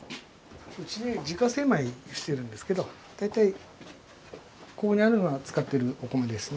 うち自家精米してるんですけど大体ここにあるのが使ってるお米ですね